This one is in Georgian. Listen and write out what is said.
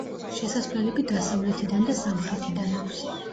შესასვლელები დასავლეთიდან და სამხრეთიდან აქვს.